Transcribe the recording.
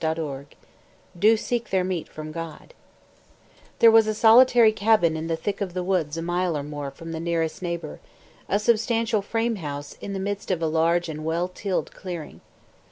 MILTON "DO SEEK THEIR MEAT FROM GOD" There was a solitary cabin in the thick of the woods a mile or more from the nearest neighbour, a substantial frame house in the midst of a large and well tilled clearing.